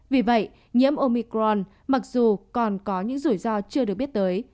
vì vậy nhiễm omicron mặc dù còn có những rủi ro chưa được biết tới